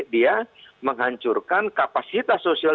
dia menghancurkan kapasitas sosial